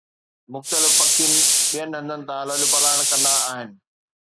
مختلف پکي ٻين هنڌن تان لڏپلاڻ ڪندا آهن